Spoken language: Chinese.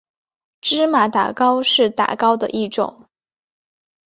芝麻打糕是打糕的一种。